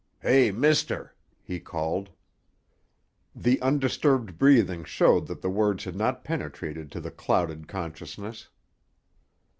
"Hey, mister," he called. The undisturbed breathing showed that the words had not penetrated to the clouded consciousness.